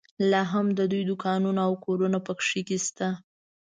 لا هم د دوی دوکانونه او کورونه په کې شته.